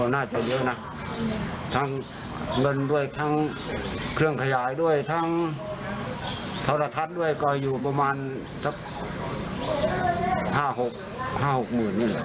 น่าจะเยอะนะทั้งเงินด้วยทั้งเครื่องขยายด้วยทั้งโทรทัศน์ด้วยก็อยู่ประมาณสัก๕๖๕๖หมื่นนี่แหละ